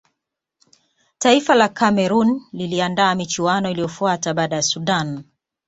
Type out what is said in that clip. taifa la cameroon liliandaa michuano iliyofuata baada ya sudan